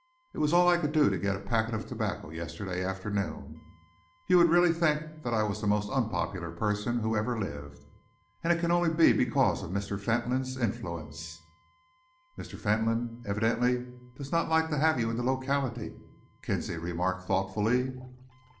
It was all I could do to get a packet of tobacco yesterday afternoon. You would really think that I was the most unpopular person who ever lived, and it can only be because of Mr. Fentolin's influence." "Mr. Fentolin evidently doesn't like to have you in the locality," Kinsley remarked thoughtfully.